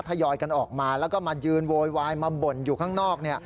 ทยอยกันออกมาแล้วก็มายืนโวยวายมาบ่นอยู่ข้างนอก